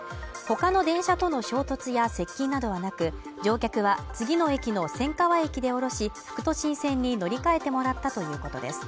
他の電車との衝突や接近などはなく、乗客は、次の駅の千川駅で降ろし、副都心線に乗り換えてもらったということです。